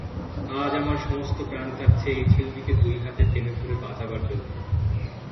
আজ আমার সমস্ত প্রাণ চাচ্ছে এই ছেলেটিকে দুই হাতে টেনে ধরে বাঁচাবার জন্যে।